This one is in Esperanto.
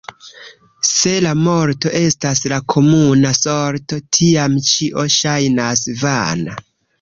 Se la morto estas la komuna sorto, tiam ĉio ŝajnas vana.